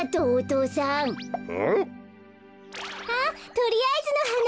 とりあえずのはな。